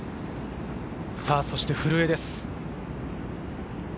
そして古江です。